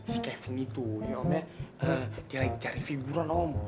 si kevin itu ya om ya dia lagi cari figuran om